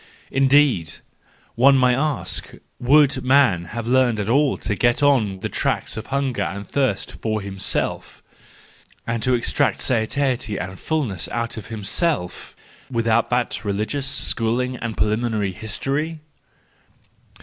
Indeed !—one may ask—would man have learned at all to get on the tracks of hunger and thirst for himself, and to extract satiety and fullness out of himself, without that religious schooling and preliminary history